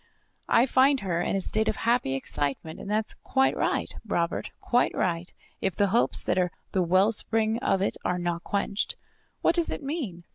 "I find her in a state of happy excitement, and that is quite right, Robert, quite right, if the hopes that are the wellspring of it are not quenched. What does it mean?